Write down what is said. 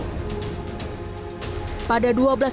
laporan ini selanjutnya diketahui sebagai rancangan sheh gatti sambo